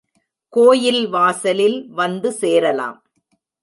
கோயில் வாசலில் வந்து சேரலாம்.